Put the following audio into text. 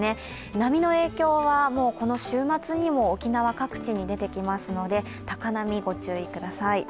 波の影響はこの週末にも沖縄各地に出てきますので高波にご注意ください。